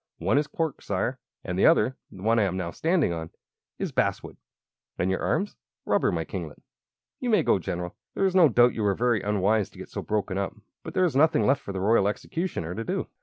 "One is cork, Sire, and the other the one I am now standing on is basswood." "And your arms?" "Rubber, my kinglet." "You may go, General. There is no doubt you were very unwise to get so broken up; but there is nothing left for the Royal Executioner to do."